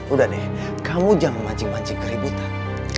udah deh kamu jangan memancing mancing keributan